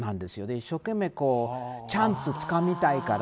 一生懸命チャンスをつかみたいから。